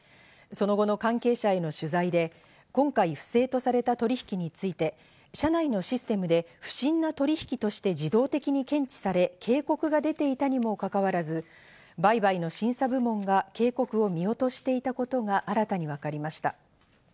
その後の関係者への取材で、今回、不正とされた取引について、社内のシステムで不審な取引として自動的に検知され、警告が出ていたにもかかわらず売買の審査部門が警告を見落としていたことが新たに分かりました。